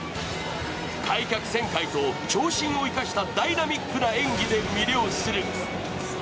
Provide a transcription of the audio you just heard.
開脚旋回と長身を生かしたダイナミックなプレーで魅了する。